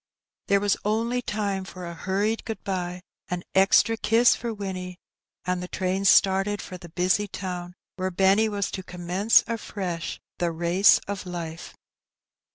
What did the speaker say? There was only time for a hurried good bye, an €xtra kiss for Winnie, and the train started for the busy town where Benny was to commence afresh the race of life.